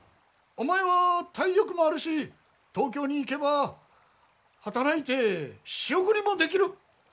お前は体力もあるし東京に行けば働いて仕送りもできる。